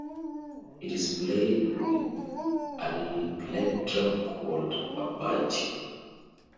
It is played with a plectrum called a "bachi".